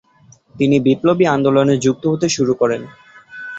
তিনি বিপ্লবী আন্দোলনে যুক্ত হতে শুরু করেন।